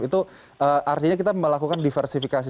itu artinya kita melakukan diversifikasi